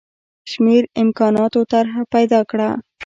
شمېر امکاناتو طرح پیدا کړه.